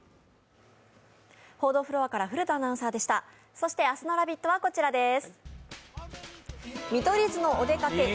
そして明日の「ラヴィット！」はこちらです。